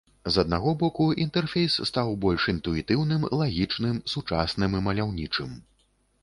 З аднаго боку, інтэрфейс стаў больш інтуітыўным, лагічным, сучасным і маляўнічым.